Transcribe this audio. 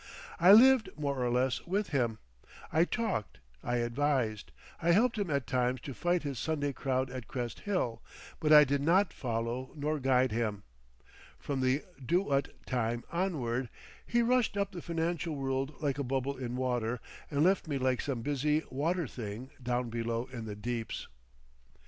I lived more or less with him; I talked, I advised, I helped him at times to fight his Sunday crowd at Crest Hill, but I did not follow nor guide him. From the Do Ut time onward he rushed up the financial world like a bubble in water and left me like some busy water thing down below in the deeps.